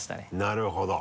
なるほど。